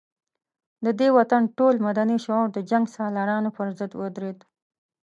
د دې وطن ټول مدني شعور د جنګ سالارانو پر ضد ودرېد.